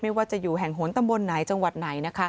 ไม่ว่าจะอยู่แห่งโหนเติมบนไหนจังหวัดไหน